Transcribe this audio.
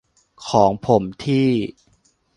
ของผมที่